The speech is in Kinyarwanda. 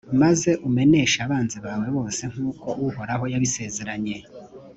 maze umeneshe abanzi bawe bose nk’uko uhoraho yabisezeranye.